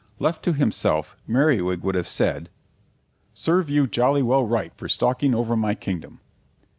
Left to himself, Merriwig would have said, "Serve you jolly well right for stalking over my kingdom."